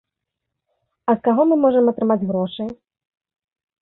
А з каго мы можам атрымаць грошы?